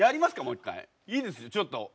いいですよちょっと。